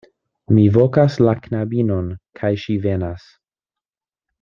Mi vokas la knabinon, kaj ŝi venas.